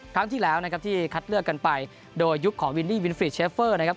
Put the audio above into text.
ครั้งที่แล้วนะครับที่คัดเลือกกันไปโดยยุคของวินดี้วินฟรีดเชฟเฟอร์นะครับ